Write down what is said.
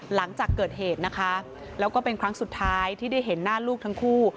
หลังจากเกิดเหตุนะคะแล้วก็เป็นครั้งสุดท้ายที่ได้เห็นหน้าลูกทั้งคู่